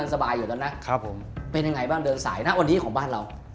นางตาเลนิดในรุ่นกัน